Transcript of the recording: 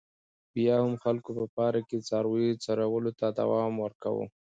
بیا هم خلکو په پارک کې څارویو څرولو ته دوام ورکاوه.